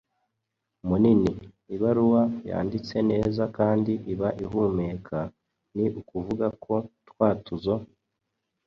munini. Ibaruwa yanditse neza kandi iba ihumeka, ni ukuvuga ko utwatuzo